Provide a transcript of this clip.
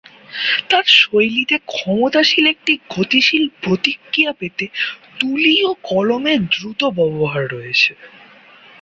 তার শৈলীতে ক্ষমতাশালী একটি গতিশীল প্রতিক্রিয়া পেতে তুলি ও কলমের দ্রুত ব্যবহার রয়েছে।